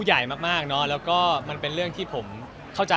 แล้วทำไมยังไม่ตัดเซ่นกันเหมือนแต่มันใช่